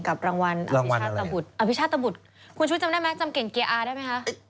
รางวัลอภิชาตะบุตรอภิชาตบุตรคุณชุวิตจำได้ไหมจำเก่งเกียร์อาได้ไหมคะ